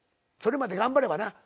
それまで頑張ればな。